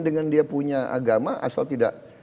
dengan dia punya agama asal tidak